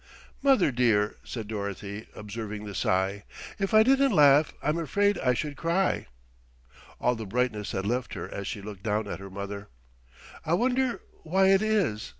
"Mother dear," said Dorothy, observing the sigh, "if I didn't laugh I'm afraid I should cry." All the brightness had left her as she looked down at her mother. "I wonder why it is?"